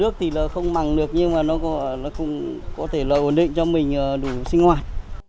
nước thì là không bằng được nhưng mà nó cũng có thể là ổn định cho mình đủ sinh hoạt